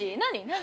何？